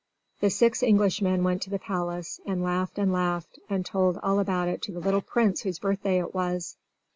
The six Englishmen went to the palace, and laughed and laughed, and told all about it to the little Prince whose birthday it was.